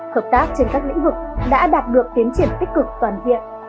hợp tác trên các lĩnh vực đã đạt được tiến triển tích cực toàn diện